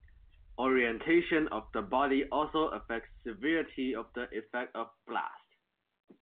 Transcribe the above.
Orientation of the body also affects severity of the effect of blast.